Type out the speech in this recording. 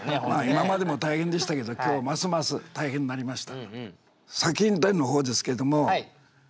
今までも大変でしたけど今日ますます大変になりました。